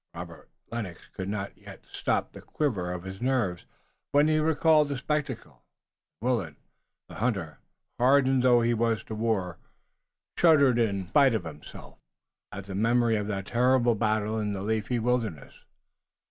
Robert Lennox could not yet stop the quiver of his nerves when he recalled the spectacle, and Willet, the hunter, hardened though he was to war, shuddered in spite of himself at the memory of that terrible battle in the leafy wilderness.